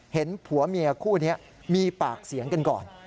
ผัวเมียคู่นี้มีปากเสียงกันก่อน